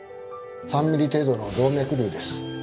３ミリ程度の動脈瘤です。